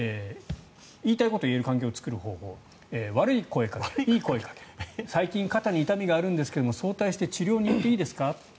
言いたいことを言える関係を作る方法悪い声掛けか、いい声掛けか最近、肩に痛みがあるんですけど早退して治療に行っていいですか？